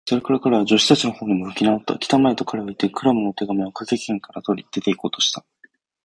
それから彼は、助手たちのほうに向きなおった。「きたまえ！」と、彼はいって、クラムの手紙をかけ金から取り、出ていこうとした。